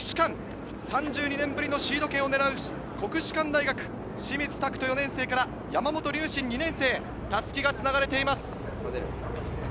３２年ぶりのシード権を狙う国士舘大学、清水拓斗・４年生から山本龍神・２年生に襷がつながれています。